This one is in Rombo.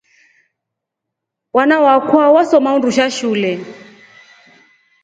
Wana wakwa wasoma undusha shule.